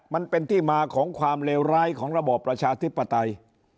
มันเป็นที่มาของความเลวร้ายของระบอบประชาธิปไตย